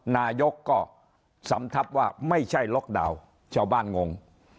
นายกก็สำทับว่าไม่ใช่ล็อกดาวน์ชาวบ้านงง